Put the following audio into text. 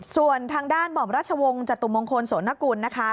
ส่วนทางด้านหม่อมราชวงศ์จตุมงคลโสนกุลนะคะ